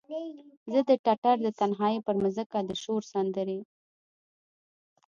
زما د ټټر د تنهایې پرمځکه د شور سندرې،